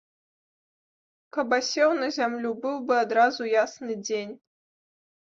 Каб асеў на зямлю, быў бы адразу ясны дзень.